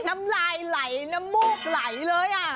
น้ำลายไหลน้ำมูกไหลเลย